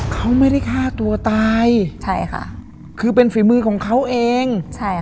เขาไม่ได้ฆ่าตัวตายใช่ค่ะคือเป็นฝีมือของเขาเองใช่ค่ะ